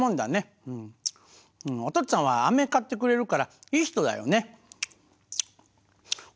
おとっつぁんはあめ買ってくれるからいい人だよね。